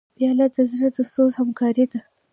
پیاله د زړه د سوز همکار ده.